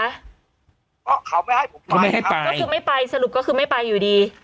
เพราะเขาไม่ให้ผมเขาไม่ให้ไปก็คือไม่ไปสรุปก็คือไม่ไปอยู่ดี